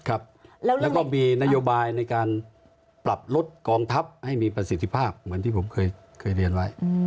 แล้วก็มีนโยบายในการปรับลดกองทัพให้มีประสิทธิภาพเหมือนที่ผมเคยเรียนไว้